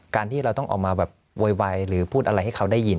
การที่เราต้องออกมาแบบโวยวายหรือพูดอะไรให้เขาได้ยิน